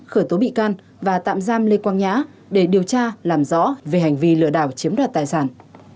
khởi tố bị can và tạm giam lê quang nhã để điều tra làm rõ về hành vi lừa đảo chiếm đoạt tài sản